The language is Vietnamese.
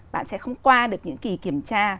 bạn sẽ không qua được những kì kiểm tra